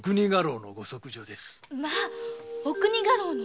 まお国家老の？